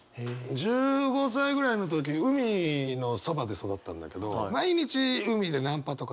１５歳ぐらいの時海のそばで育ったんだけど毎日海でナンパとかしてて。